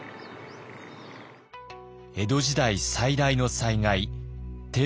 江戸時代最大の災害